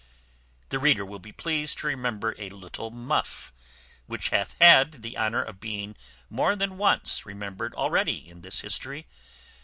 The reader will be pleased to remember a little muff, which hath had the honour of being more than once remembered already in this history.